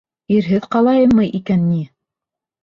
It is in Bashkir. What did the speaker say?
Ирһеҙ ҡалайыммы икән ни?